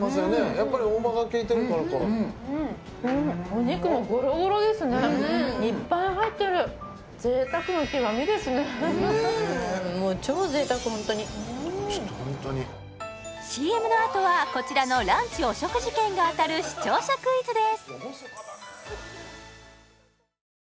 やっぱり大葉がきいてるからかお肉もゴロゴロですねいっぱい入ってるＣＭのあとはこちらのランチお食事券が当たる視聴者クイズです